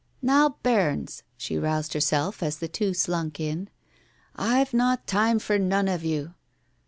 "Now, bairns !" She roused herself as the two slunk in. "I've not time for none of you.